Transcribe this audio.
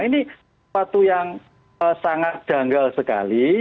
ini suatu yang sangat janggal sekali